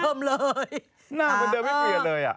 หน้าเหมือนเดิมไม่เปลี่ยเลยอ่ะ